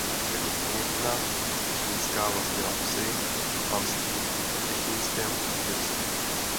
Jako kněžna Těšínská vlastnila vsi a panství v Těšínském knížectví.